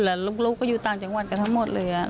แล้วลูกก็อยู่ต่างจังหวัดกันทั้งหมดเลย